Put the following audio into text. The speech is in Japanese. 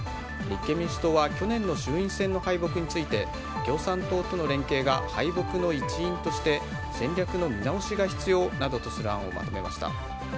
立憲民主党は去年の衆院選の敗北について共産党との連携が敗北の一因として戦略の見直しが必要とする案などをまとめました。